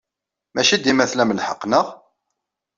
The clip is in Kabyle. Maci dima tlam lḥeqq, naɣ?